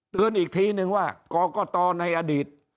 เตือนอีกทีหนึ่งว่ากกตในอดีต